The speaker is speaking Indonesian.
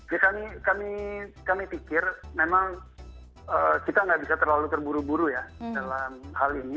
ya kami pikir memang kita nggak bisa terlalu terburu buru ya dalam hal ini